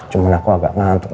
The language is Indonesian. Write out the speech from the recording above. cuman aku agak ngantuk